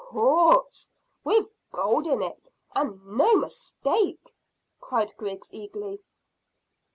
"Quartz with gold in it, and no mistake," cried Griggs eagerly.